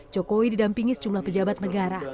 jokowi didampingi sejumlah pejabat negara